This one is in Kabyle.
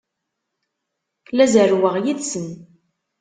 La zerrweɣ yid-sen.